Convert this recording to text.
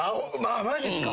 マジっすか？